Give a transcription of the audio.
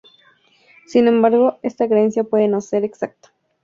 Sin embargo, esta creencia puede no ser exacta.